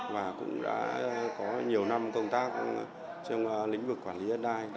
và cũng đã có nhiều năm công tác trong lĩnh vực quản lý đất đai